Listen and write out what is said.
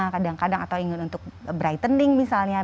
kadang kadang atau ingin untuk brightening misalnya